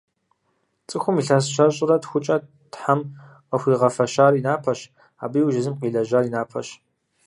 Цӏыхум илъэс щэщӏрэ тхукӏэ Тхьэм къыхуигъэфэщар и напэщ, абы иужь езым къилэжьар и напэщ.